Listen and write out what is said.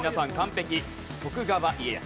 徳川家康。